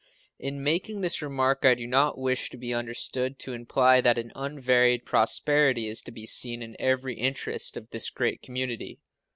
In making this remark I do not wish to be understood to imply that an unvaried prosperity is to be seen in every interest of this great community.